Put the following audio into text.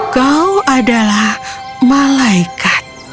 kau adalah malaikat